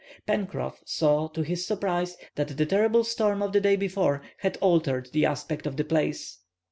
Pencroff saw, to his surprise, that the terrible storm of the day before had altered the aspect of the place.